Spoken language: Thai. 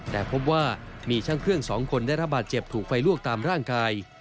แต่พบว่ามีช่างเครื่อง๒คนได้ระบาดเจ็บถูกไฟลวกตามร่างกาย